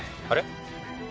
あれ？